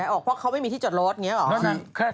ออกเพราะเขาไม่มีที่จอดรถอย่างนี้หรอ